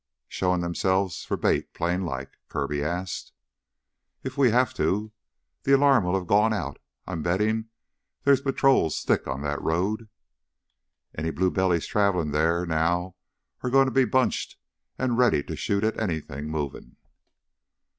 "Showin' themselves for bait, plainlike?" Kirby asked. "If we have to. The alarm will have gone out. I'm bettin' there're patrols thick on that road." "Any blue bellies travelin' theah now are gonna be bunched an' ready to shoot at anything movin'."